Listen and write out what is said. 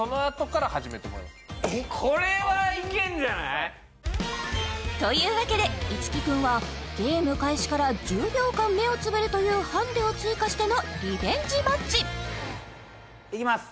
これはいけんじゃない？というわけでいつき君はゲーム開始から１０秒間目をつぶるというハンデを追加してのリベンジマッチいきます！